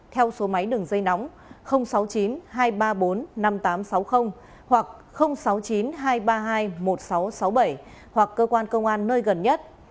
theo số máy đường dây nóng sáu mươi chín hai trăm ba mươi bốn năm nghìn tám trăm sáu mươi hoặc sáu mươi chín hai trăm ba mươi hai một nghìn sáu trăm sáu mươi bảy hoặc cơ quan công an nơi gần nhất